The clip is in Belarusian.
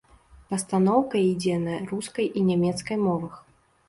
Пастаноўка ідзе на рускай і нямецкай мовах.